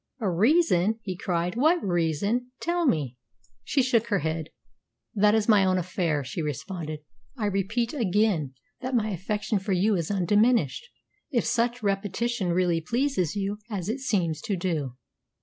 "A reason!" he cried. "What reason? Tell me." She shook her head. "That is my own affair," she responded. "I repeat again that my affection for you is undiminished, if such repetition really pleases you, as it seems to do."